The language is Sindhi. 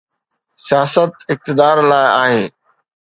سياست اقتدار لاءِ آهي.